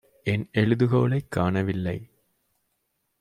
என் எழுதுகோலைக் காணவில்லை.